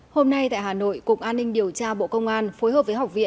hội thảo khoa học hỏi cung bị can trong điều tra các vụ án xâm phạm an ninh quốc gia